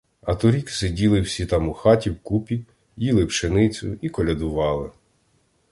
А торік сиділи всі там у хаті вкупі, їли пшеницю і колядували.